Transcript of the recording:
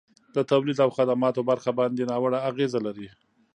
د تولید او خدماتو برخه باندي ناوړه اغیزه لري.